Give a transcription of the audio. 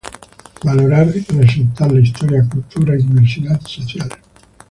Valorar y resaltar la historia, cultura y diversidad social.